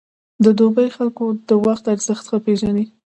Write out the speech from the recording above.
د دوبی خلک د وخت ارزښت ښه پېژني.